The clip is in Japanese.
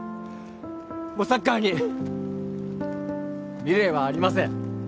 もうサッカーに未練はありません